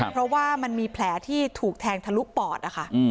เพราะว่ามันมีแผลที่ถูกแทงทะลุปอดนะคะ